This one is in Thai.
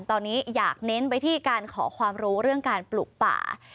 ตอนนี้อยากเน้นไปที่การขอความรู้เรื่องการปลูกป่า